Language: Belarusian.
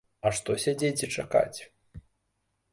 А што сядзець і чакаць?